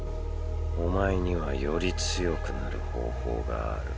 お前にはより強くなる方法がある。